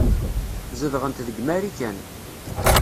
Zedɣent deg Marikan.